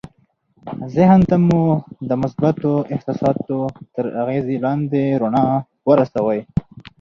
ذهن ته مو د مثبتو احساساتو تر اغېز لاندې رڼا ورسوئ